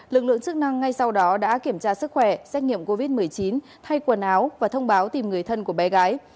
lực lượng chức năng ngay sau đó đã kiểm tra sức khỏe xét nghiệm covid một mươi chín thay quần áo và thông báo tìm người thân của bé gái